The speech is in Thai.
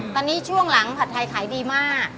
ตอนนี้ช่วงหลังผัดไทยขายดีมาก